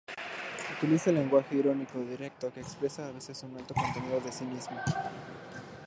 Utiliza el lenguaje irónico, directo, que expresa a veces un alto contenido de cinismo.